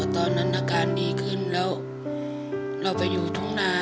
ตอนนั้นอาการดีขึ้นแล้วเราไปอยู่ทุ่งนา